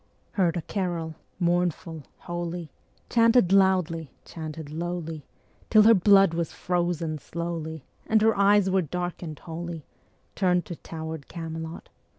Heard a carol, mournful, holy, Chanted loudly, chanted lowly, Till her blood was frozen slowly, And her eyes were darken'd wholly, Ā Ā Turn'd to tower'd Camelot.